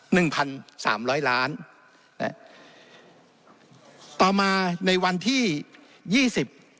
หนึ่งพันสามร้อยล้านนะฮะต่อมาในวันที่ยี่สิบ